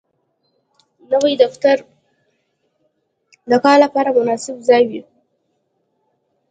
نوی دفتر د کار لپاره مناسب ځای وي